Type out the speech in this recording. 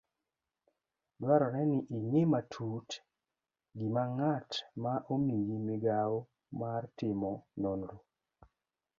Dwarore ni ing'e matut gima ng'at ma omiyi migawo mar timo nonro